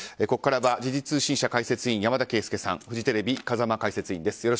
ここからは時事通信社解説委員山田惠資さんフジテレビ、風間解説委員です。